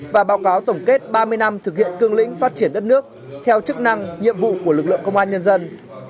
và báo cáo tổng kết ba mươi năm thực hiện cương lĩnh phát triển đất nước theo chức năng nhiệm vụ của lực lượng công an nhân dân